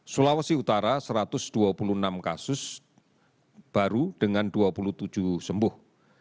sulawesi utara satu ratus dua puluh enam kasus baru dengan dua puluh tujuh sembuh